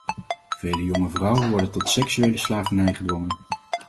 Vele jonge vrouwen worden tot seksuele slavernij gedwongen.